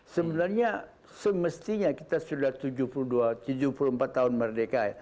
sebenarnya semestinya kita sudah tujuh puluh dua tujuh puluh empat tahun merdeka